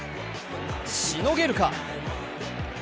しのげるか。